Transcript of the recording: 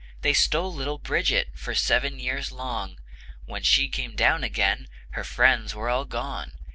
They stole little Bridget For seven years long; When she came down again Her friends were all gone.